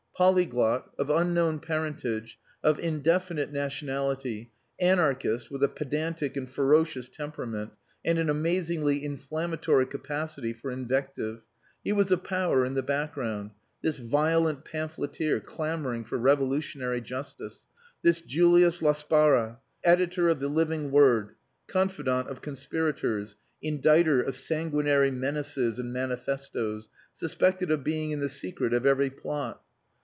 Polyglot, of unknown parentage, of indefinite nationality, anarchist, with a pedantic and ferocious temperament, and an amazingly inflammatory capacity for invective, he was a power in the background, this violent pamphleteer clamouring for revolutionary justice, this Julius Laspara, editor of the Living Word, confidant of conspirators, inditer of sanguinary menaces and manifestos, suspected of being in the secret of every plot.